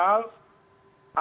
yang menjadi modal